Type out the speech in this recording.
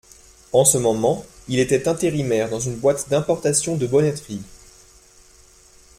En ce moment, il était intérimaire dans une boîte d’importation de bonneterie.